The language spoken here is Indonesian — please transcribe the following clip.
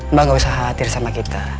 mbak gak usah khawatir sama kita